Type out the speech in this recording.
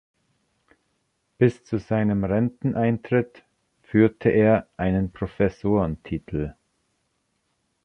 Bis zu seinem Renteneintritt führte er einen Professorentitel.